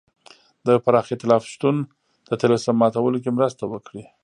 د یوه پراخ اېتلاف شتون د طلسم ماتولو کې مرسته وکړي.